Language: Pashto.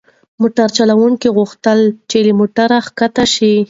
موټر چلونکي غوښتل چې له موټره کښته شي.